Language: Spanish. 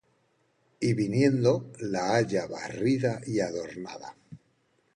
Y viniendo, la halla barrida y adornada.